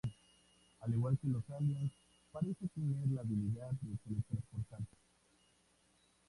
Al igual que los aliens, parece tener la habilidad de teletransportarse.